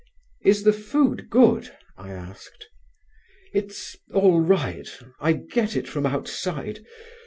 "Is the food good?" I asked. "It's all right; I get it from outside.